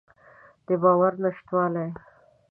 د باور نشتوالی.